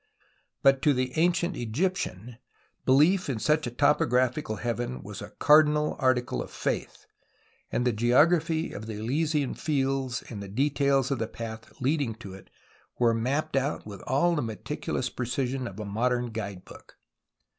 But to the ancient Egyptian belief in such a topo graphical heaven was a cardinal article of faith, and the geography of the Elysian fields and the details of the path leading to it were mapped out with all the meticulous precision of a modern guide book.